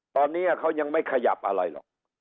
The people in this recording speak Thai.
ตอนนี้เขายังไม่ขยับอะไรหรอก